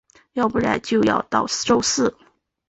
要不然就要到周四